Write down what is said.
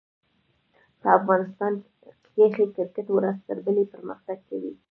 په افغانستان کښي کرکټ ورځ تر بلي پرمختګ کوي.